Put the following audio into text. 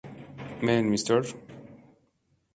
Men, "Mr.